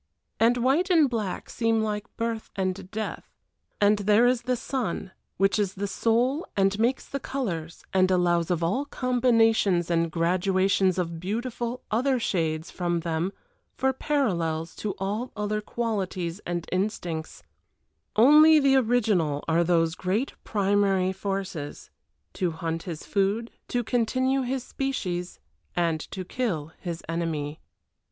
And white and black seem like birth and death and there is the sun, which is the soul and makes the colors, and allows of all combinations and graduations of beautiful other shades from them for parallels to all other qualities and instincts, only the original are those great primary forces to hunt his food, to continue his species, and to kill his enemy.